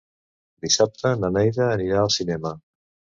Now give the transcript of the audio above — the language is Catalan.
Dissabte na Neida anirà al cinema.